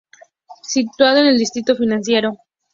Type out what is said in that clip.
Situado en el distrito financiero Jl.